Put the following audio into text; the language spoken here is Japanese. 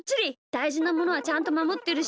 だいじなものはちゃんとまもってるし。